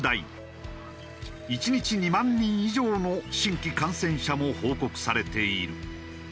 １日２万人以上の新規感染者も報告されている。